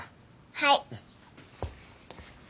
はい。